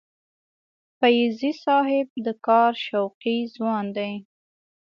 فیضي صاحب د کار شوقي ځوان دی.